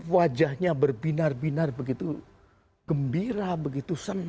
wajahnya berbinar binar begitu gembira begitu senang